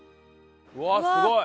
うわっすごい！